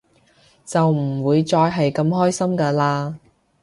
就唔會再係咁開心㗎喇